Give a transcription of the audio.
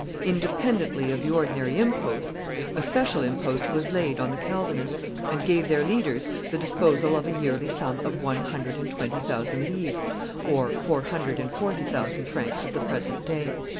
Independently of the ordinary imposts, a special impost was laid on the Calvinists, and gave their leaders the disposal of a yearly sum of one hundred and twenty thousand livres (four hundred and forty thousand francs of the present day).